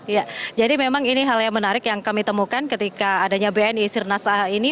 ya jadi memang ini hal yang menarik yang kami temukan ketika adanya bni sirna saha ini